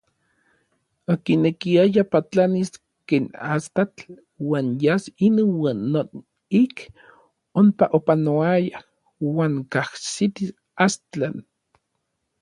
Okinekiaya patlanis ken astatl uan yas inuan non ik onpa opanoayaj uan kajsitis Astlan.